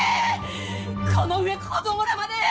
この上子供らまで！